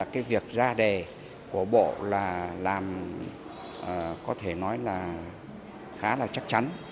cái việc ra đề của bộ là làm có thể nói là khá là chắc chắn